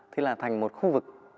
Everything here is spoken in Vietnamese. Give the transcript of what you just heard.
thì là thành một khu vực